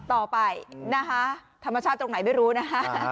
ต่อไปนะคะธรรมชาติตรงไหนไม่รู้นะฮะ